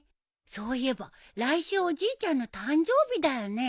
そういえば来週おじいちゃんの誕生日だよね？